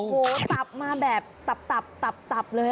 โอ้โฮตับมาแบบตับเลย